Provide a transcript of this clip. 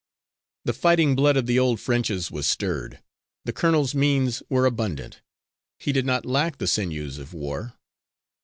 The fighting blood of the old Frenches was stirred. The colonel's means were abundant; he did not lack the sinews of war.